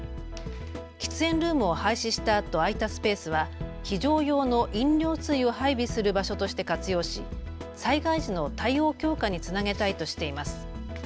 喫煙ルームを廃止したあと空いたスペースは非常用の飲料水を配備する場所として活用し災害時の対応強化につなげたいとしています。